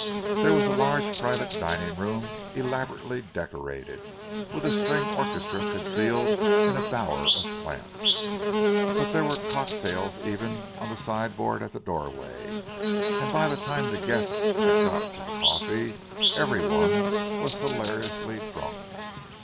There was a large private dining room, elaborately decorated, with a string orchestra concealed in a bower of plants. But there were cocktails even on the side board at the doorway; and by the time the guests had got to the coffee, every one was hilariously drunk.